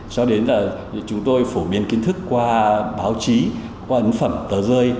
cho đến là chúng tôi phổ biến kiến thức qua báo chí qua ấn phẩm tờ rơi